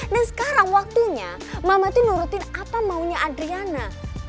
dan sekarang waktunya mama tuh nurutin apa maunya adriana